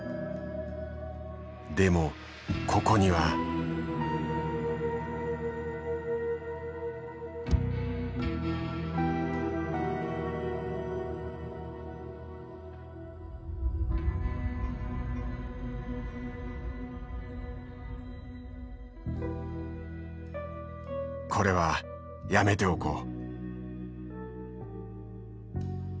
でもここには。これはやめておこう。